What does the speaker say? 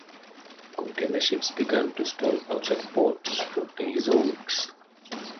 Container ships began to stall outside ports for days or weeks.